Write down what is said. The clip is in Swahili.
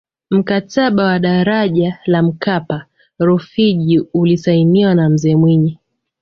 mkataba wa daraja la mkapa rufiji ulisainiwa na mzee mwinyi